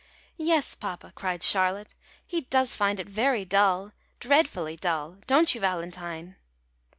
"Yes, papa," cried Charlotte, "he does find it very dull dreadfully dull don't you, Valentine?"